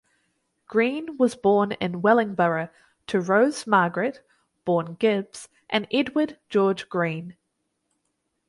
Green was born in Wellingborough to Rose Margaret (born Gibbs) and Edwin George Green.